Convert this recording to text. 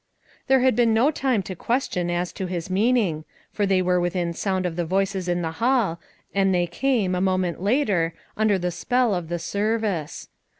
There had been no time to question as to his meaning, for they were within sound of the voices in the Hall, and they came, a moment later, under the spell of the service.